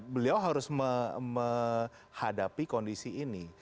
beliau harus menghadapi kondisi ini